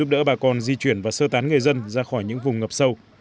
di chuyển và sơ tán người dân ra khỏi những vùng ngập sâu